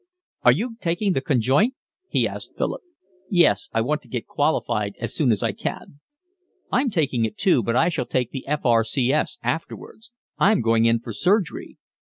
"Are you taking the Conjoint?" he asked Philip. "Yes, I want to get qualified as soon as I can." "I'm taking it too, but I shall take the F. R. C. S. afterwards. I'm going in for surgery."